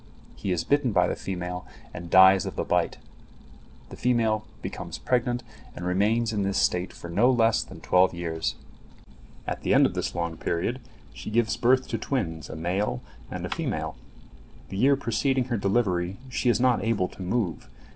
He is bitten by the female and dies of the bite. The female becomes pregnant and remains in this state for no less than twelve years. At the end of this long period she gives birth to twins, a male and a female. The year preceding her delivery she is not able to move.